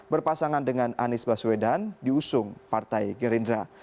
berpasangan dengan anies baswedan di usung partai gerindra